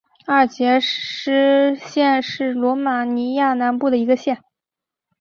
阿尔杰什县是罗马尼亚南部的一个县。